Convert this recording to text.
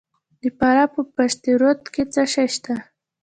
د فراه په پشت رود کې څه شی شته؟